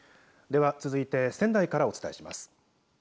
では続いて仙台からお伝えします。